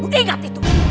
lu ingat itu